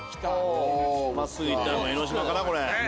真っすぐ行ったら江の島かな。